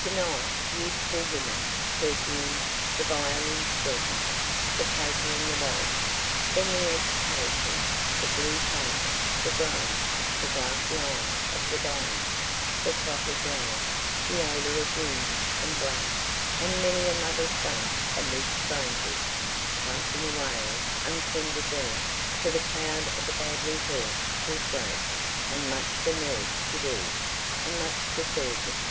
To night, beautiful women, perfumes, the violin's sweetness, the polka and the waltz; then the amputation, the blue face, the groan, the glassy eye of the dying, the clotted rag, the odor of wounds and blood, and many a mother's son amid strangers, passing away untended there, (for the crowd of the badly hurt was great, and much for nurse to do, and much for surgeon.)